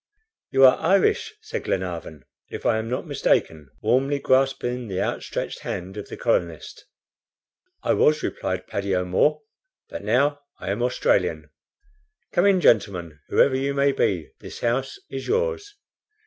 "You are Irish," said Glenarvan, "if I am not mistaken," warmly grasping the outstretched hand of the colonist. "I was," replied Paddy O'Moore, "but now I am Australian. Come in, gentlemen, whoever you may be, this house is yours."